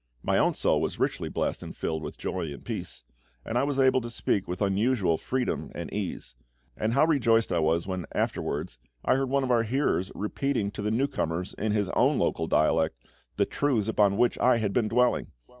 My own soul was richly blessed, and filled with joy and peace; and I was able to speak with unusual freedom and ease. And how rejoiced I was when, afterwards, I heard one of our hearers repeating to the newcomers, in his own local dialect, the truths upon which I had been dwelling!